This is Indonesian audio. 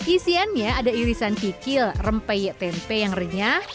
isiannya ada irisan kikil rempeyek tempe yang renyah